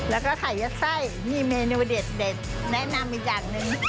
แล้วก็ไข่ยัดไส้มีเมนูเด็ดแนะนำอีกอย่างหนึ่ง